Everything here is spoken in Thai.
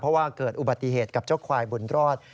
เพราะว่าเกิดอุบัติเหตุกับเจ้าควายบุญรอด